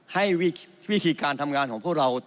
ให้วิธีการทำงานของพวกเรา